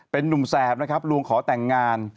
เป็นนุ่มแสบนะครับลวงขอแต่งงาน